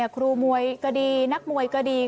ครูมวยก็ดีนักมวยก็ดี